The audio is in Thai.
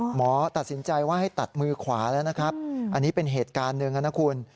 หมอตัดสินใจว่าให้ตัดมือขวาแล้วนะครับอันนี้เป็นเหตุการณ์หนึ่งนะคุณ